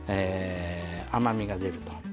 甘みが出ると。